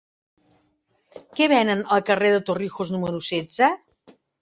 Què venen al carrer de Torrijos número setze?